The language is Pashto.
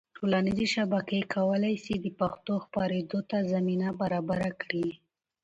ټولنیزې شبکې کولی سي د پښتو خپرېدو ته زمینه برابره کړي.